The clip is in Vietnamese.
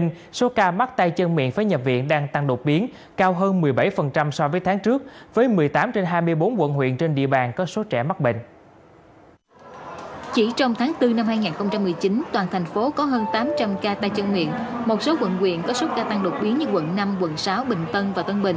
năm hai nghìn một mươi chín toàn thành phố có hơn tám trăm linh ca tai chân miệng một số quận quyền có số ca tăng đột biến như quận năm quận sáu bình tân và tân bình